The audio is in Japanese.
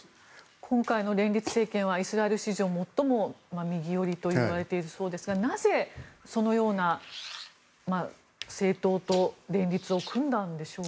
今回の連立政権はイスラエル史上最も右寄りといわれているそうですがなぜ、そのような政党と連立を組んだんでしょうか。